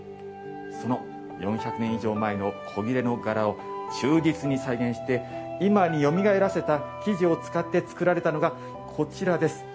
その４００年以上前の古裂の柄を忠実に再現して今によみがえらせた生地を使って作られたのがこちらです。